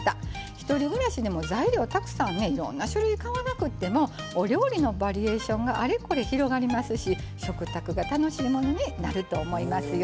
１人暮らしでも材料たくさんねいろんな種類買わなくてもお料理のバリエーションがあれこれ広がりますし食卓が楽しいものになると思いますよ。